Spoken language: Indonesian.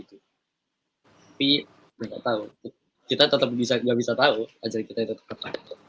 tapi kita gak tahu kita tetap gak bisa tahu ajalnya kita tetap